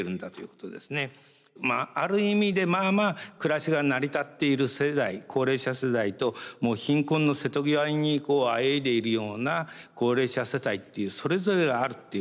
ある意味でまあまあ暮らしが成り立っている世代高齢者世代と貧困の瀬戸際にあえいでいるような高齢者世帯っていうそれぞれがあるっていう。